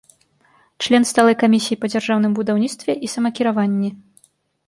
Член сталай камісіі па дзяржаўным будаўніцтве і самакіраванні.